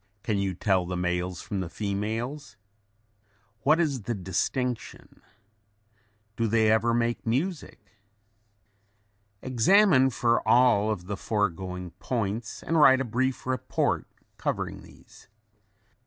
Can you tell the males from the females? What is the distinction? Do they ever make music? Examine for all the foregoing points and write a brief report covering these.